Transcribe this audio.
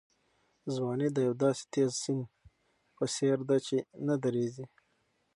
ځواني د یو داسې تېز روان سیند په څېر ده چې نه درېږي.